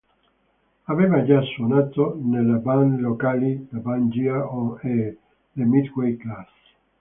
Aveva già suonato nelle band locali The Bad Year e The Midway Class.